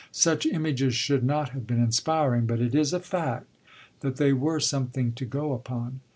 Such images should not have been inspiring, but it is a fact that they were something to go upon.